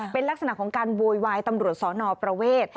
เป็นลักษณะของการโวยวายตำรวจสอนอประเวท